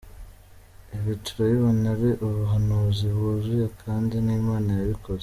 Ibi turabibona ari ubuhanuzi bwuzuye kandi ni Imana yabikoze.